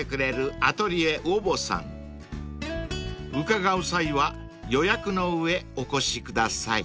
［伺う際は予約の上お越しください］